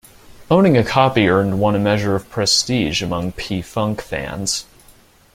Owning a copy earned one a measure of prestige among P-Funk fans.